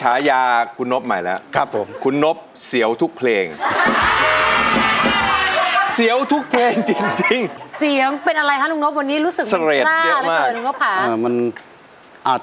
หรือรังเกียจฉันนั้นมันดำม่อต่อ